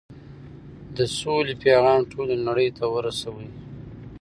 د سولې پيغام ټولې نړۍ ته ورسوئ.